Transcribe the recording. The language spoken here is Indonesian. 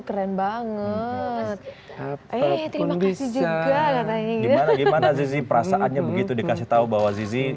keren banget eh terima kasih juga gimana gimana zizi perasaannya begitu dikasih tahu bahwa zizi